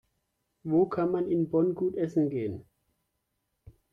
Wo kann man in Bonn gut essen gehen?